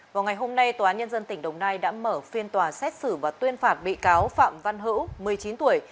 vào ngày hôm nay tòa án nhân dân tỉnh đồng nai đã mở phiên tòa xét xử và tuyên phạt bị cáo phạm văn hữu một mươi chín tuổi